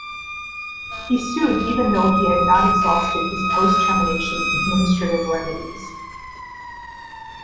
He sued even though he had not exhausted his post-termination administrative remedies.